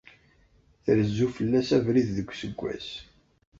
Trezzu fell-as abrid deg useggas.